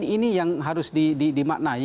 ini yang harus dimaknai